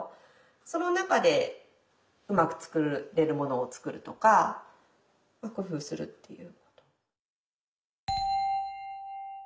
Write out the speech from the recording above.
その中でうまく作れるものを作るとか工夫するっていう。